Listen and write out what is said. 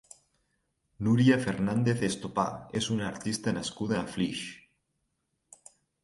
Núria Fernández Estopà és una artista nascuda a Flix.